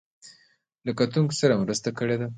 له کتونکو سره مرسته کړې ده.